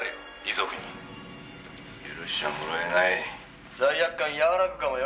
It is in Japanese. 「許しちゃもらえない」「罪悪感和らぐかもよ」